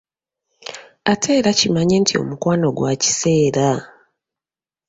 Ate era kimanye nti omukwano gwa kiseera